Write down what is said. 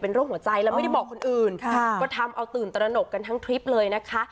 โรคหัวใจแล้วไม่ได้บอกคนอื่นก็ทำเอาตื่นตระหนกกันทั้งทริปเลยนะคะ